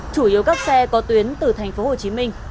chủ yếu các xe có tuyến từ thành phố hồ chí minh